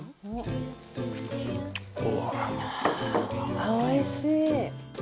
あっおいしい。